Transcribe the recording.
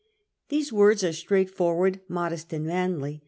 These words are straightforward, modest, and manly.